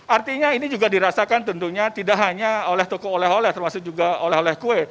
artinya ini juga dirasakan tentunya tidak hanya oleh toko oleh oleh termasuk juga oleh oleh kue